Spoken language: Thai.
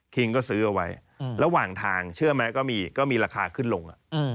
ก็ซื้อเอาไว้ระหว่างทางเชื่อไหมก็มีราคาขึ้นลง